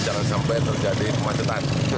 jangan sampai terjadi kemacetan